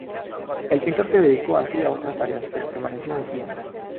El pintor se dedicó así a otras tareas, pero permaneció en Siena.